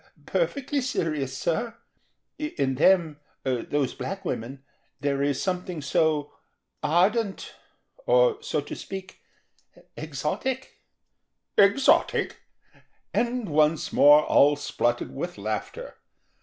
"Perfectly serious, sir. In them, those black women, there is something so ardent, or—so to speak—exotic." "Exotic?" And once more all spluttered with laughter.